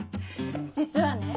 実はね。